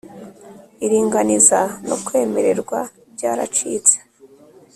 iringaniza no kwemererwa byaracitse